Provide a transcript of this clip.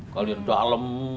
kalau yang dalam